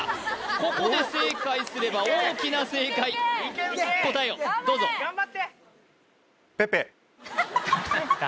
ここで正解すれば大きな正解答えをどうぞ・誰？